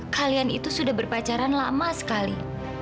kalian itu sudah berpacaran lama sekali